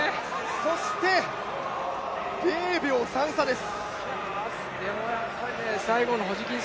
そして、０秒３差です。